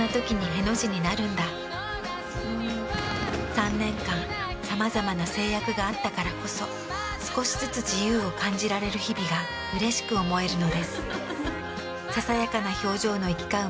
３年間さまざまな制約があったからこそ少しずつ自由を感じられる日々がうれしく思えるのです。